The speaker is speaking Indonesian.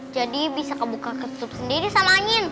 jadi bisa kebuka ketutup sendiri sama angin